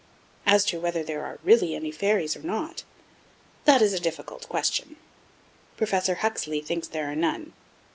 As to whether there are really any fairies or not, that is a difficult question. Professor Huxley thinks there are none.